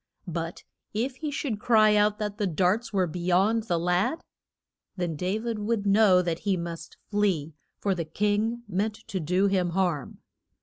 But if he should cry out that the darts were be yond the lad, then Da vid would know that he must flee, for the king meant to do him harm.